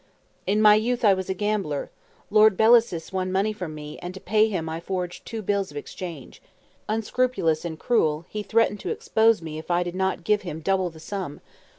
"In my youth I was a gambler. Lord Bellasis won money from me, and to pay him I forged two bills of exchange. Unscrupulous and cruel, he threatened to expose me if I did not give him double the sum.